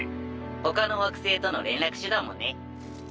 他の惑星との連絡手段もね。